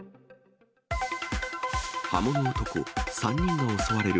刃物男、３人が襲われる。